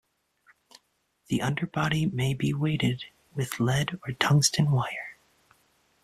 The underbody may be weighted with lead or tungsten wire.